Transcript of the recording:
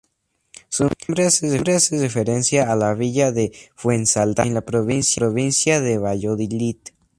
Su nombre hace referencia a la villa de Fuensaldaña, en la provincia de Valladolid.